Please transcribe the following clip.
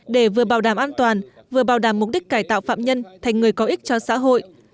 để vừa bảo đảm an toàn vừa bảo đảm mục đích cải tạo phạm nhân thành người có ích cho xã hội